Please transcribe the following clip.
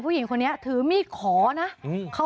ผู้หญิงคนนี้ถือมีดขอนะ